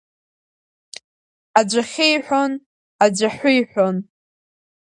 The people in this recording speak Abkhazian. Аӡә ахьы иҳәон, аӡә аҳәы иҳәон.